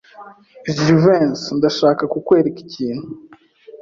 Jivency, ndashaka kukwereka ikintu.